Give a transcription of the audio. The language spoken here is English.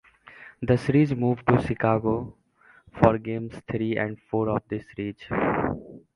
The series moved to Chicago for games three and four of the series.